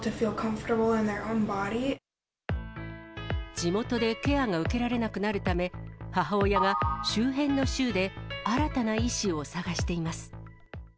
地元でケアが受けられなくなるため、母親が周辺の州で新たな医師を探しています。